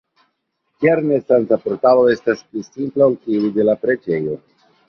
Ĝia renesanca portalo estas pli simpla ol tiuj de la preĝejo.